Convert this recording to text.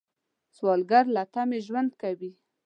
سوالګر له تمې ژوند کوي